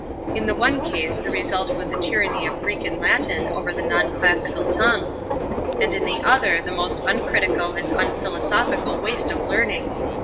In the one case the result was a tyranny of Greek and Latin over the non classical tongues, and in the other the most uncritical and unphilosophical waste of learning.